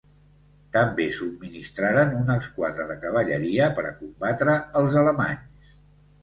També subministraren una esquadra de cavalleria per a combatre els alemanys.